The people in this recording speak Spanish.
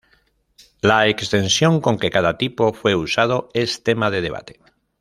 La extensión con que cada tipo fue usado es tema de debate.